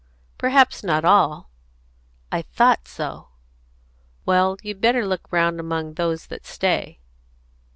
"Perhaps not all." "I thought so!" "Well, you'd better look round among those that stay."